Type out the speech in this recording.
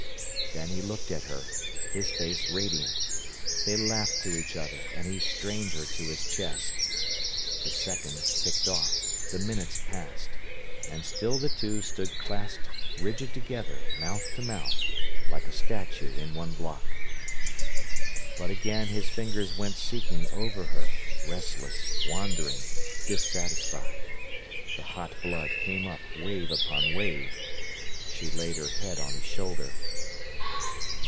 Then he looked at her, his face radiant. They laughed to each other, and he strained her to his chest. The seconds ticked off, the minutes passed, and still the two stood clasped rigid together, mouth to mouth, like a statue in one block. But again his fingers went seeking over her, restless, wandering, dissatisfied. The hot blood came up wave upon wave. She laid her head on his shoulder.